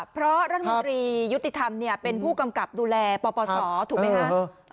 เพราะรัฐมนตรียุติธรรมเป็นผู้กำกับดูแลปปศถูกไหมคะ